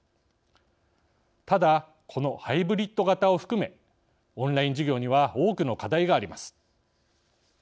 ただこのハイブリッド型を含めオンライン授業には多くの課題があります。